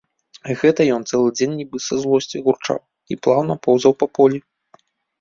Гэта ён цэлы дзень нібы са злосці гурчаў і плаўна поўзаў па полі.